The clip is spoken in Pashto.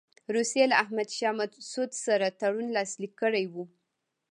روسیې له احمدشاه مسعود سره تړون لاسلیک کړی وو.